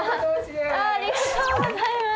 ありがとうございます。